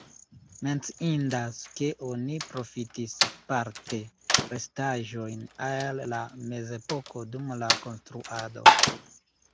Menciindas, ke oni profitis parte restaĵojn el la mezepoko dum la konstruado.